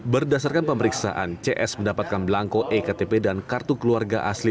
berdasarkan pemeriksaan cs mendapatkan belangko ektp dan kartu keluarga asli